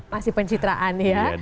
masih pencitraan ya